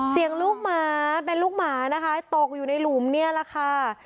ลูกหมาเป็นลูกหมานะคะตกอยู่ในหลุมเนี่ยแหละค่ะ